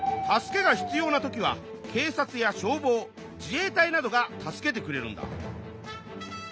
助けが必要な時はけい察や消防自衛隊などが助けてくれるんだ。